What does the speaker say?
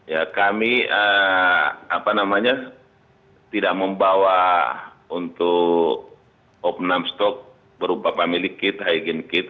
ya kami tidak membawa untuk open amstok berupa family kit hygiene kit